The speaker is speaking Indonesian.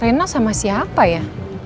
rena sama siapa ya